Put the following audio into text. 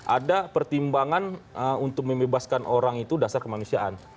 ada pertimbangan untuk membebaskan orang itu dasar kemanusiaan